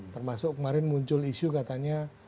termasuk kemarin muncul isu katanya